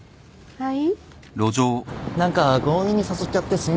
はい。